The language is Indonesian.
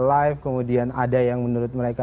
live kemudian ada yang menurut mereka